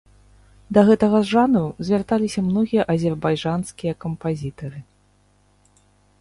Да гэтага жанру звярталіся многія азербайджанскія кампазітары.